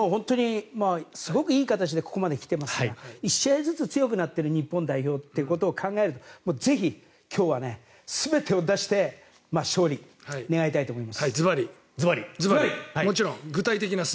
すごくいい形でここまで来ていますから１試合ずつ強くなっている日本代表ということを考えるとぜひ今日は全てを出して勝利、狙いたいと思います。